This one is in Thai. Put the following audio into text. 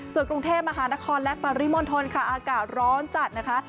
ส่วนกรุงเทพมหานครและปริมณฑลค่ะอากาศร้อนจัดนะคะ